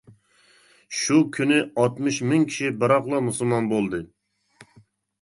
شۇ كۈنى ئاتمىش مىڭ كىشى بىراقلا مۇسۇلمان بولدى.